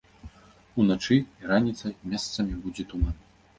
Уначы і раніцай месцамі будзе туман.